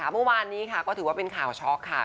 เมื่อวานนี้ค่ะก็ถือว่าเป็นข่าวช็อกค่ะ